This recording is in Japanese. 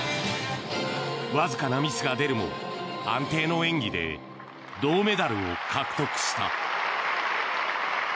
わずかなミスが出るも安定の演技で銅メダルを獲得した。